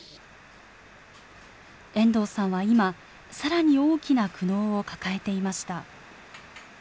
遠藤さんは今、さらに大きな苦悩を抱えていました。